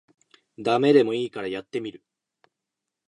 ダメでもいいからやってみる